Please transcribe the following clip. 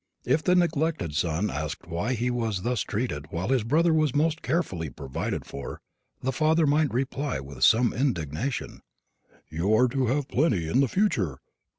If the neglected son asked why he was thus treated while his brother was most carefully provided for, the father might reply with some indignation, "You are to have plenty in the future!